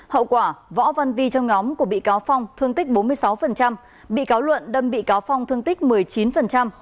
hậu quả võ văn vi trong nhóm của bị cáo phong thương tích bốn mươi sáu bị cáo luận đâm bị cáo phong thương tích một mươi chín